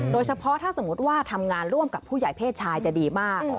โดยเฉพาะถ้าสมมุติว่าทำงานร่วมกับผู้ใหญ่เพศชายจะดีมาก